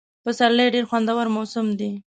پسرلی ډېر خوندور موسم دی.